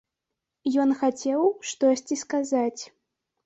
Ён хацеў штосьці сказаць.